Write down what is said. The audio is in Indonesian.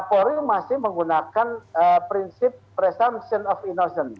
kapolri masih menggunakan prinsip presumption of innocence